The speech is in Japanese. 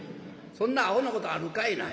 そんなアホなことあるかいな。